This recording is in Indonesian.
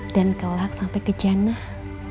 dan kelak sampai ke janah